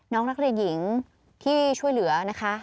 น้องนักเรียนหญิงที่ช่วยเหลือนะคะ